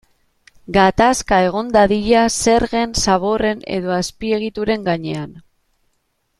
Gatazka egon dadila zergen, zaborren edo azpiegituren gainean.